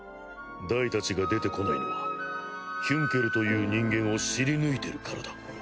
ダイたちが出てこないのはヒュンケルという人間を知り抜いてるからだ。